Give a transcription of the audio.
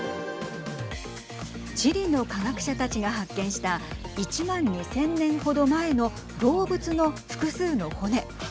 チリの科学者たちが発見した１万２０００年程前の動物の複数の骨。